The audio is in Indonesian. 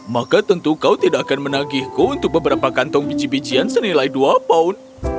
maka tentu kau tidak akan menagihku untuk beberapa kantong biji bijian senilai dua pound